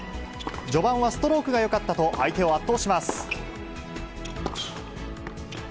序盤はストロークがよかったと、相手を圧倒します。